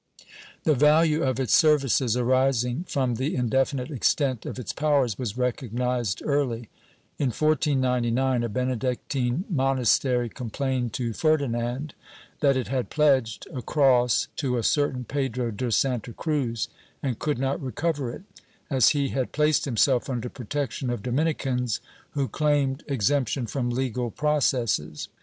The value of its services, arising from the indefinite extent of its powers, was recognized early. In 1499, a Benedictine monas tery complained to Ferdinand that it had pledged a cross to a certain Pedro de Santa Cruz and could not recover it, as he had placed himself under protection of Dominicans, who claimed exemption from legal processes.